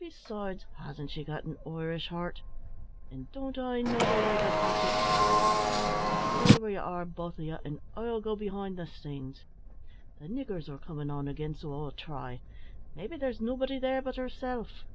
Besides, hasn't she got an Irish heart? an' don't I know the way to touch it? Jist stay where ye are, both o' ye, an' I'll go behind the scenes. The niggers are comin' on again, so I'll try; maybe there's nobody there but herself."